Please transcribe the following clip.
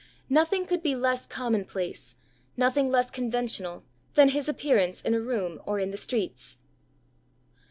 Nothing could be less commonplace, nothing less conventional, than his appearance in a room or in the streets."